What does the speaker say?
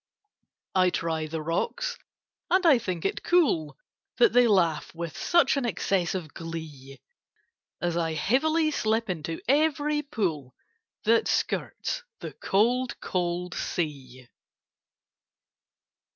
I try the rocks, and I think it cool That they laugh with such an excess of glee, As I heavily slip into every pool That skirts the cold cold Sea.